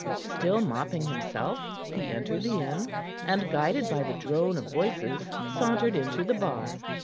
Still mopping himself, he entered the inn, and, guided by the drone of voices, sauntered into the bar.